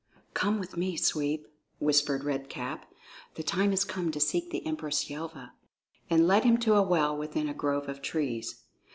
"Come with me, Sweep," whispered Red Cap; "the time has come to seek the Empress Yelva," and led him to a well within a grove of trees.